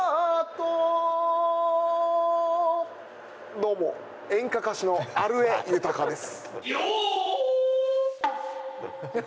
どうも演歌歌手のある江裕です。